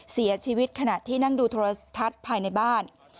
เสียชีวิตขนาดที่นั่งดูโทรศัตริย์ภายในบ้าน